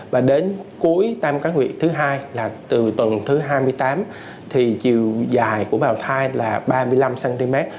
và đến cuối ba cái nguyệt thứ hai là từ tuần thứ hai mươi tám thì chiều dài của bào thai là ba mươi năm cm